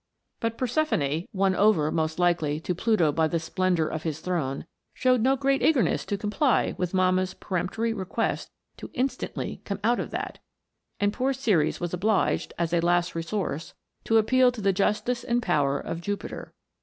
But Proserpine, won over, most likely, to Pluto by the splendour of his throne, showed no great eagerness to comply with mamma's peremptory request to instantly "come out of that ;" and poor Ceres was obliged, as a last resource, to appeal to the justice and power of Jupiter.